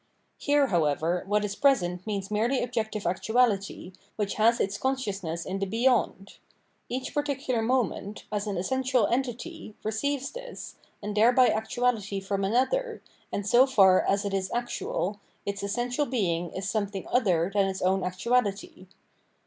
Here, however, what is present means merely objective actuality, which has its consciousness in the beyond ; each particular moment, as an essential entity, receives this, and thereby actuality from an other, and so far as it is actual, its essential being is something other than its own actuality.